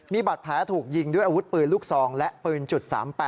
มีบาดแผลถูกยิงด้วยอาวุธปืนลูกซองและปืน๓๘